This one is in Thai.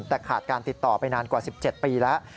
แต่ขาดการติดต่อไปนานกว่า๑๗ปีแล้ว